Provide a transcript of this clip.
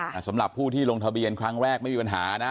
แต่สำหรับผู้ที่ลงทะเบียนครั้งแรกไม่มีปัญหานะ